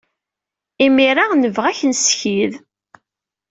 Imir-a, nebɣa ad k-nessekyed.